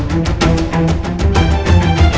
di dalam tanah